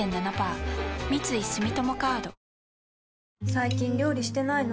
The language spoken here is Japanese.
最近料理してないの？